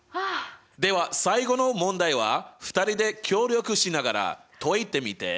では最後の問題は２人で協力しながら解いてみて！